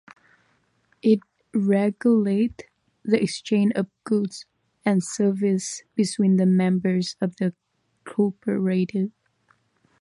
It regulates the exchange of goods and services between the members of the cooperative.